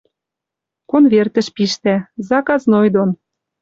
Конвертӹш пиштӓ. Заказной дон